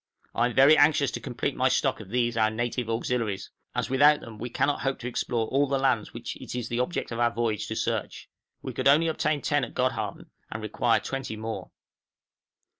I am very anxious to complete my stock of these our native auxiliaries, as without them we cannot hope to explore all the lands which it is the object of our voyage to search. We could only obtain ten at Godhaven, and require twenty more.